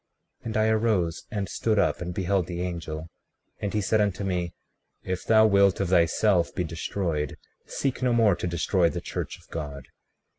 And I arose and stood up, and beheld the angel. 36:9 And he said unto me: If thou wilt of thyself be destroyed, seek no more to destroy the church of God.